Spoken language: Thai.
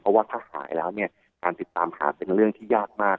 เพราะว่าถ้าหายแล้วเนี่ยการติดตามหาเป็นเรื่องที่ยากมาก